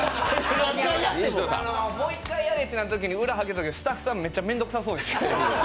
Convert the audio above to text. もう１回やれってなったときに、裏へはけたときスタッフさんめっちゃめんどくさそうでした。